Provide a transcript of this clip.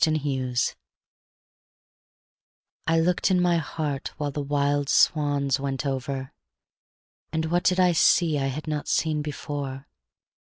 WILD SWANS I looked in my heart while the wild swans went over. And what did I see I had not seen before?